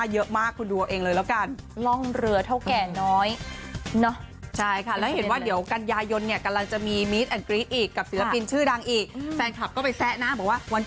จะได้ไม่ต้องซื้อแล้วจะได้ไม่ต้องไปหรือเปล่า